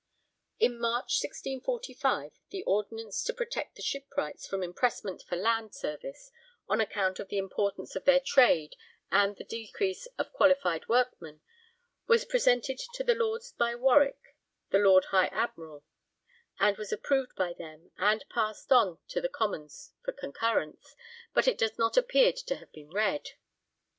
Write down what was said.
In March 1645 an Ordinance to protect the Shipwrights from impressment for land service 'on account of the importance of their trade and the decrease of qualified workmen,' was presented to the Lords by Warwick, the Lord High Admiral, and was approved by them and passed on to the Commons for concurrence, but it does not appear to have been read.